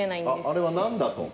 あれはなんだと。